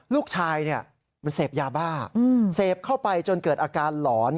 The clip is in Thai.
ลูกชายมันเสพยาบ้าเสพเข้าไปจนเกิดอาการหลอน